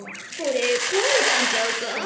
これこわれたんちゃうか？